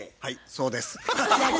はいそうです。